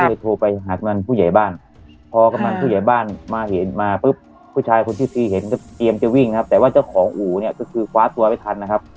ก็เลยโทรไปหากำลังผู้ใหญ่บ้านพอกำนันผู้ใหญ่บ้านมาเห็นมาปุ๊บผู้ชายคนที่ตีเห็นก็เตรียมจะวิ่งครับแต่ว่าเจ้าของอู่เนี่ยก็คือคว้าตัวไปทันนะครับ